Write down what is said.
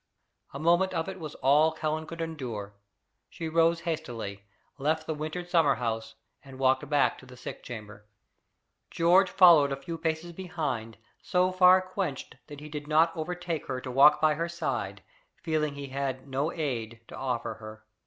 A moment of it was all Helen could endure. She rose hastily, left the wintered summer house, and walked back to the sick chamber. George followed a few paces behind, so far quenched that he did not overtake her to walk by her side, feeling he had no aid to offer her.